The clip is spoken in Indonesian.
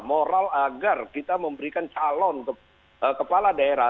moral agar kita memberikan calon kepala daerah